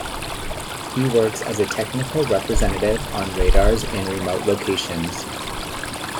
He works as a technical representative on radars in remote locations.